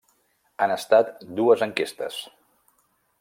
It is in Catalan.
Han estat dues enquestes.